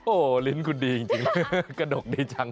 โอ้โหลิ้นคุณดีจริงกระดกดีจัง